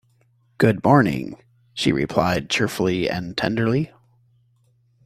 “Good-morning,” she replied cheerfully and tenderly.